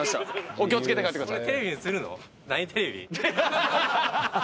お気を付けて帰ってください。